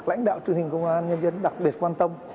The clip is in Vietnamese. lãnh đạo truyền hình công an nhân dân đặc biệt quan tâm